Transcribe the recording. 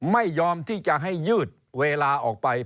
ไม่ยอมที่จะให้ยืดเวลาออกไป